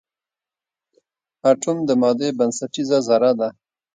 اټوم د مادې بنسټیزه ذره ده.